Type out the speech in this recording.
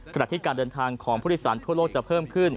ขณะที่การเดินทางของผู้โดยสารทั่วโลกจะเพิ่มขึ้น